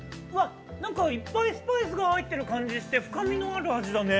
◆何か、いっぱいスパイスが入っている感じして深みのある味だね。